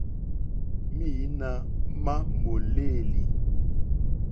Mǐīnā má mòlêlì.